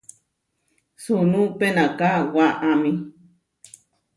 Sunú penaká waʼámi.